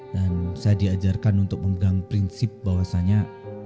dan saya diajarkan untuk memegang prinsip bahwasannya